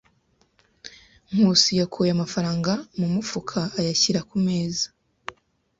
Nkusi yakuye amafaranga mu mufuka ayashyira ku meza.